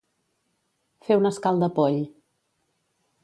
Fer un escaldapoll.